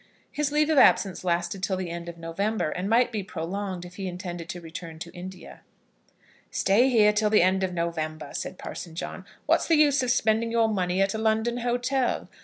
His leave of absence lasted till the end of November, and might be prolonged if he intended to return to India. "Stay here till the end of November," said Parson John. "What's the use of spending your money at a London hotel?